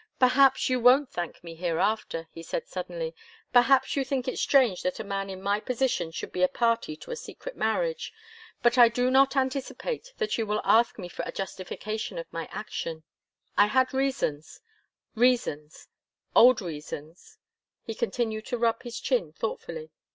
"Perhaps you won't thank me hereafter," he said suddenly. "Perhaps you think it strange that a man in my position should be a party to a secret marriage. But I do not anticipate that you will ask me for a justification of my action. I had reasons reasons old reasons." He continued to rub his chin thoughtfully.